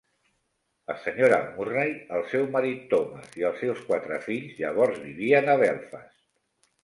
La Sra. Murray, el seu marit Thomas i els seus quatre fills llavors vivien a Belfast.